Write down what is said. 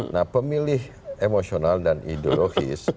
nah pemilih emosional dan ideologis